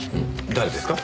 誰ですか？